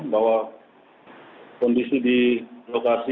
bahwa kondisi di lokasi